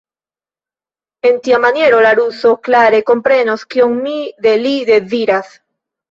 En tia maniero la ruso klare komprenos, kion mi de li deziras.